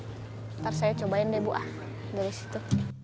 nanti saya cobain deh ibu